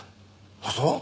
あっそう？